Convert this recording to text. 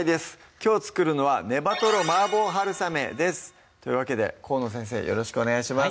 きょう作るのは「ねばとろマーボー春雨」ですというわけで河野先生よろしくお願いします